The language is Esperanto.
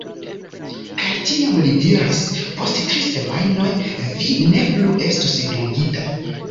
Kaj tiam li diris "Post tri semajnoj, vi ne plu estos dungita."